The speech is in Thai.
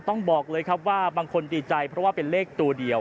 ต้องบอกเลยครับว่าบางคนดีใจเพราะว่าเป็นเลขตัวเดียว